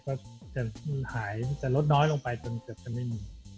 ก็จะหายจะลดน้อยล่วงไปจนจะไม่มี